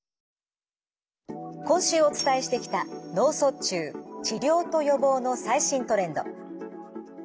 今週お伝えしてきた「脳卒中治療と予防の最新トレンド」。